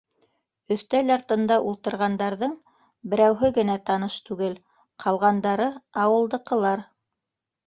Өҫтәл артында ултырғандарҙың берәүһе генә таныш түгел, ҡалғандары ауылдыҡылар.